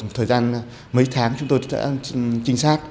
thời gian mấy tháng chúng tôi đã trinh sát